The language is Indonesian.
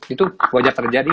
itu wajar terjadi